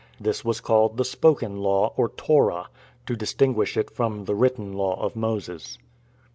This was called the Spoken Law (or Torah), to distinguish it from the written law of Moses.